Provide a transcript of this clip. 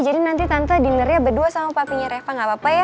jadi nanti tante dinernya berdua sama papinya reva gak apa apa ya